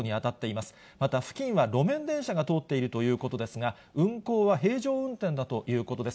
また付近は路面電車が通っているということですが、運行は平常運転だということです。